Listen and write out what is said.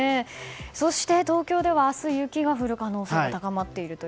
そして東京では明日雪が降る可能性が高まっていると。